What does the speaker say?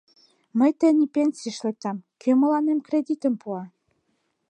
Мый тений пенсийыш лектам, кӧ мыланем кредитым пуа?